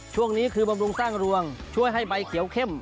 ช่วงนี้คือบำรุงสร้างรวงช่วยให้ใบเขียวเข้ม